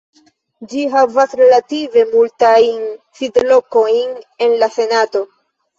Ĝi havas relative multajn sidlokojn en la senato.